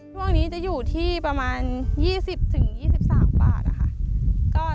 ช่วงนี้จะอยู่ที่ประมาณ๒๐๒๓บาท